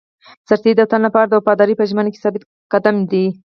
سرتېری د وطن لپاره د وفادارۍ په ژمنه کې ثابت قدم دی.